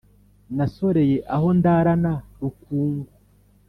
Nasoreye aho ndarana Rukungu